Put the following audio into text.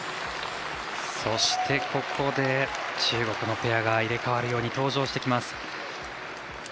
そしてここで中国のペアが入れ代わるように登場してきます。